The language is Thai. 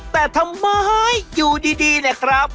แต่ทำไมอยู่ดีเนี่ยครับ